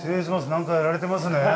何かやられてますね。